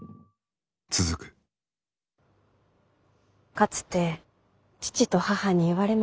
かつて父と母に言われました。